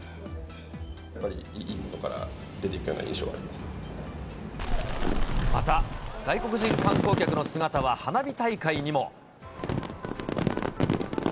やっぱりいいのから出ていくまた、外国人観光客の姿は花火大会にも。